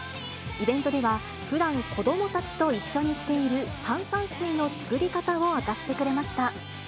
イベントではふだん子どもたちと一緒にしている炭酸水の作り方を明かしてくれました。